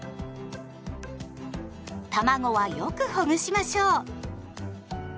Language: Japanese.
たまごはよくほぐしましょう。